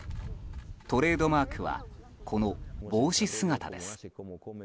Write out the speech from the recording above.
トレードマークはこの帽子姿です。